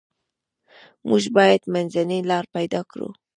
موږ باید منځنۍ لار پیدا کړو.